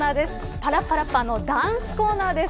パラッパラッパーのダンスコーナーです。